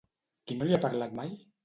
Qui no li ha parlat mai?